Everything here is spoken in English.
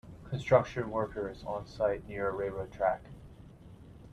Construction workers on site near a railroad track.